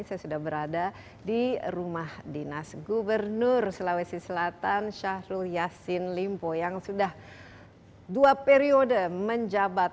saya sudah berada di rumah dinas gubernur sulawesi selatan syahrul yassin limpo yang sudah dua periode menjabat